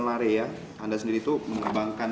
lare ya anda sendiri itu mengembangkan